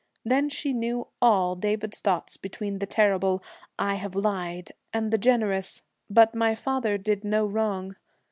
Then she knew all David's thoughts between the terrible, 'I have lied,' and the generous, 'But my father did no wrong.'